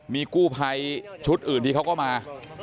มีกู้ภัยชุดอื่นที่เขาก็มา